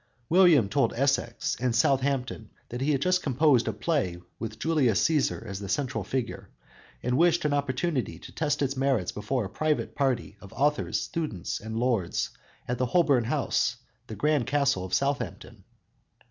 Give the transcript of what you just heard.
William told Essex and Southampton that he had just composed a play with Julius Cæsar as the central figure, and wished an opportunity to test its merits before a private party of authors, students and lords at the Holborn House, the grand castle of Southampton.